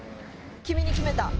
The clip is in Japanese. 君に決めた。